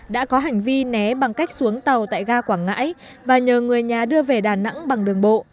đã có hành vi né bằng cách xuống tàu tại ga quảng ngãi và nhờ người nhà đưa về đà nẵng bằng đường bộ